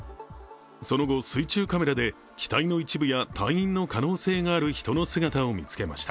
その後、水中カメラで機体の一部や隊員の可能性がある人の姿を見つけました。